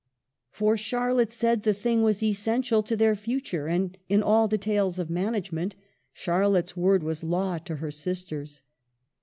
For Charlotte said the thing was essential to their future ; and in all details of management, Charlotte's word ■ was law to her sisters.